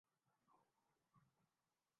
وہی غفورالرحیم ہے کہ ہماری خطائیں بخش دے